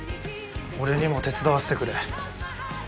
俺にも手伝わせてくれ。